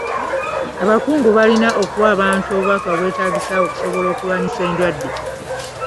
Abakungu balina okuwa abantu obubaka obwetaagisa okusobola okulwanyisa endwadde.